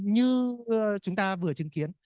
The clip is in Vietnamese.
như chúng ta vừa chứng kiến